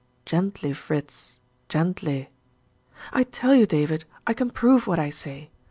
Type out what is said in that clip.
"Gently, Fritz gently!" "I tell you, David, I can prove what I say.